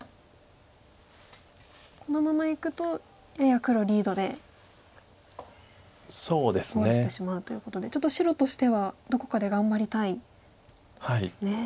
このままいくとやや黒リードでゴールしてしまうということでちょっと白としてはどこかで頑張りたいですね。